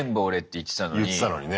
言ってたのにね。